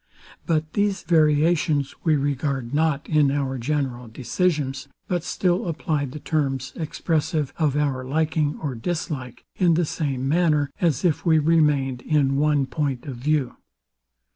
But these variations we regard not in our general decision, but still apply the terms expressive of our liking or dislike, in the same manner, as if we remained in one point of view.